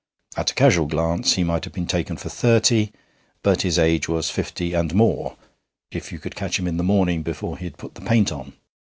At a casual glance he might have been taken for thirty, but his age was fifty and more if you could catch him in the morning before he had put the paint on.